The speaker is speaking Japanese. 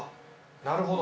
なるほど。